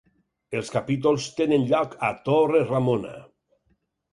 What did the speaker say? Els capítols tenen lloc a Torre Ramona.